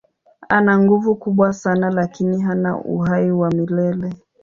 Ana nguvu kubwa sana lakini hana uhai wa milele.